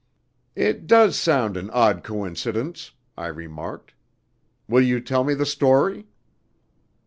"It does sound an odd coincidence," I remarked. "Will you tell me the story?"